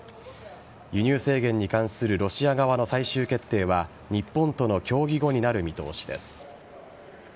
輸入制限に関するロシア側の最終決定は日本との協議後になる見通しです。